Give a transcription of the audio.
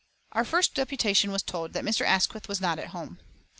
Our first deputation was told that Mr. Asquith was not at home.